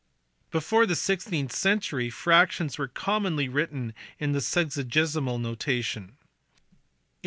Before the sixteenth century fractions were commonly written in the sexagesimal notation (ex.